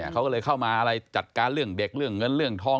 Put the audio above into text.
เขาก็เลยเข้ามาอะไรจัดการเรื่องเด็กเรื่องเงินเรื่องทอง